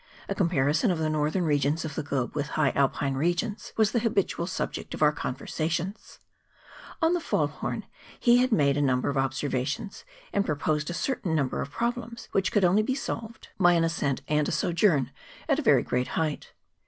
A comparison of the northern regions of the globe with high Alpine regions was the habitual subject of our conversations. On the F'aulhorn we had made a number of observations, and proposed a cer¬ tain number of problems which could only be solved 16 MOUNTAIN ADVENTUKES. by an ascent and a sojourn at a very great height.